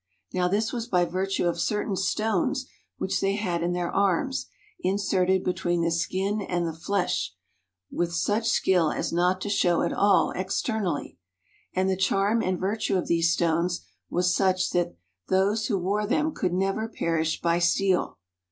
Now this was by virtue of certain stones which they had in their arms, in serted between the skin and the flesh, with such skill as not to show at all externally. And the charm and virtue of these stones was such that those who wore them could never perish by steel.